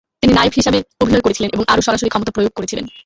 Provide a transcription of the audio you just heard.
তিনি নায়েব হিসাবে অভিনয় করেছিলেন এবং আরও সরাসরি ক্ষমতা প্রয়োগ করেছিলেন।